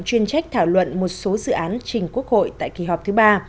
chuyên trách thảo luận một số dự án trình quốc hội tại kỳ họp thứ ba